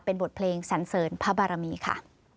เป็นบทเพลงสันเสริญพระบารมีค่ะ